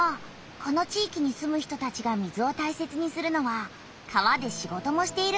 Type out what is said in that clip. この地域に住む人たちが水を大切にするのは川で仕事もしているからなんだ。